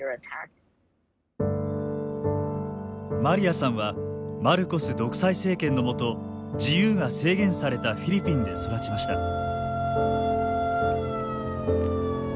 マリアさんはマルコス独裁政権の下自由が制限されたフィリピンで育ちました。